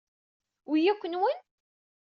Wi akk nwen?